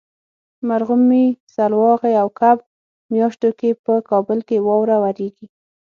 مرغومي ، سلواغې او کب میاشتو کې په کابل کې واوره وریږي.